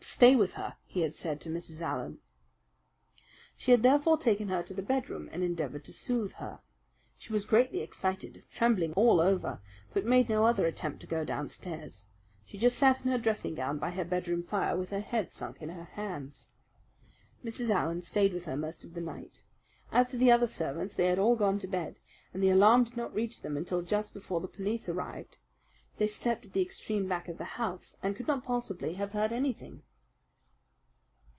Stay with her!" he had said to Mrs. Allen. She had therefore taken her to the bedroom, and endeavoured to soothe her. She was greatly excited, trembling all over, but made no other attempt to go downstairs. She just sat in her dressing gown by her bedroom fire, with her head sunk in her hands. Mrs. Allen stayed with her most of the night. As to the other servants, they had all gone to bed, and the alarm did not reach them until just before the police arrived. They slept at the extreme back of the house, and could not possibly have heard anything.